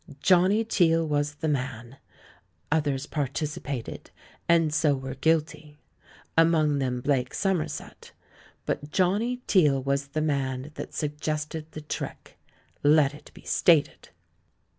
Johnny Teale was the man! Others partici pated, and so were guilty — among theai Blake Somerset — but Johnny Teale was the man that suggested the trick; let it be stated!